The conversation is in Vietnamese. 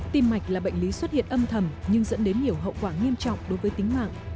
tim mạch là bệnh lý xuất hiện âm thầm nhưng dẫn đến nhiều hậu quả nghiêm trọng đối với tính mạng